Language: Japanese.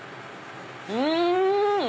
うん！